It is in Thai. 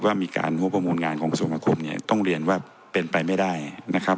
ว่ามีการหัวประมูลงานของสวงอาคมเนี่ยต้องเรียนว่าเป็นไปไม่ได้นะครับ